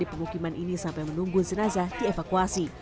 di pemukiman ini sampai menunggu jenazah dievakuasi